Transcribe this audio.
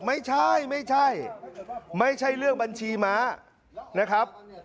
ไม่ใช่ไม่ใช่เรื่องบัญชีม้านะครับ